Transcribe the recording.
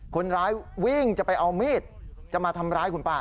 คนร้ายวิ่งจะไปเอามีดจะมาทำร้ายคุณป้า